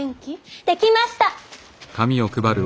できました！